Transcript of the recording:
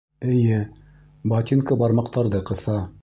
Эйе, ботинка бармаҡтарҙы ҡыҫа